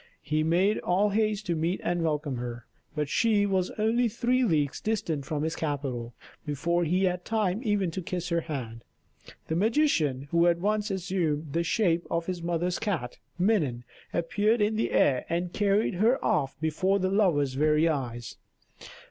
He made all haste to meet and welcome her; but when she was only three leagues distant from his capital, before he had time even to kiss her hand, the magician who had once assumed the shape of his mother's cat, Minon, appeared in the air and carried her off before the lover's very eyes.